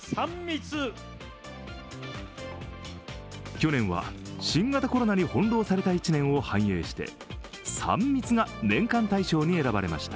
去年は新型コロナに翻弄された１年を反映して「３密」が年間大賞に選ばれました。